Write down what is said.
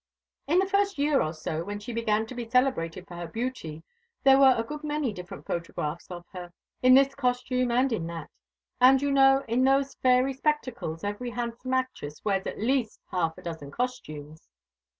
"In the first year or so, when she began to be celebrated for her beauty, there were a good many different photographs of her in this costume and in that; and, you know, in those fairy spectacles every handsome actress wears at least half a dozen costumes.